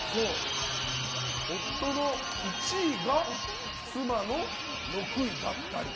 夫の１位が妻の６位だったり。